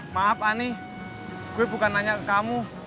maaf ani gue bukan nanya ke kamu